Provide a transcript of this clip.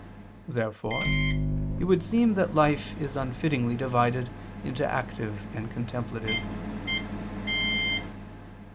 Therefore it would seem that life is unfittingly divided into active and contemplative.